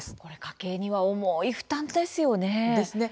家計には重い負担ですよね。